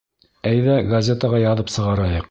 Әйҙә газетаға яҙып сығарайыҡ!